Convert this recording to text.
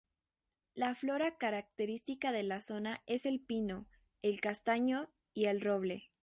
La flora característica de la zona es el pino, el castaño y el roble.